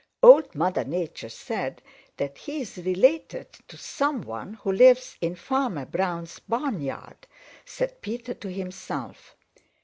"Old Mother Nature said that he is related to some one who lives in Farmer Brown's barnyard," said Peter to himself.